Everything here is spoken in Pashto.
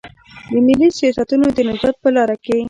د ملي سیاستونو د نجات په لار کې.